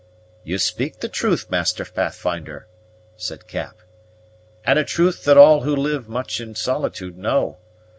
"You speak the truth, Master Pathfinder," said Cap, "and a truth that all who live much in solitude know.